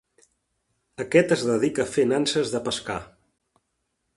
Aquest es dedica a fer nanses de pescar.